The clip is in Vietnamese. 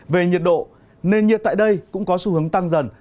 về nhiệt độ nền nhiệt tại đây cũng có xu hướng tăng dần